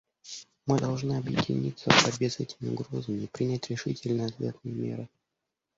Мы должны объединиться в борьбе с этими угрозами и принять решительные ответные меры.